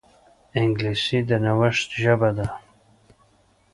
انګلیسي د نوښت ژبه ده